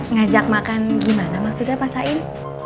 ngajak makan gimana maksudnya pak sain